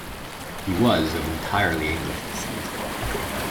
He was of entirely English descent.